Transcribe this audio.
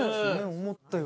思ったより。